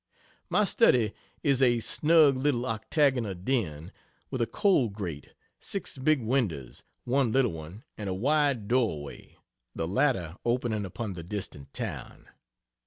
My study is a snug little octagonal den, with a coal grate, 6 big windows, one little one, and a wide doorway (the latter opening upon the distant town.)